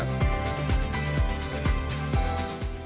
ketika kita memotong logam kita bisa memotong logam dengan akurat